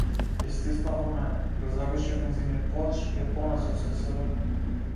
Ја стиснав во мене, го загушив нејзиниот плач и ја понесов со себе.